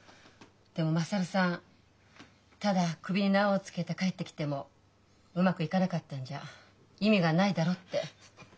でも優さん「ただ首に縄をつけて帰ってきてもうまくいかなかったんじゃ意味がないだろ」って。